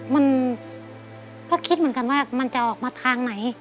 มันก็คิดเหมือนกันว่ามันจะออกมาทางไหน